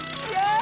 あ！